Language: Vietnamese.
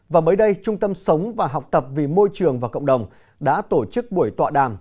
và mới đây trung tâm sống và học tập vì môi trường và cộng đồng đã tổ chức buổi tọa đàm